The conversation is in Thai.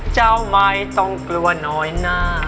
เจ้าไม่ต้องกลัวน้อยหน้า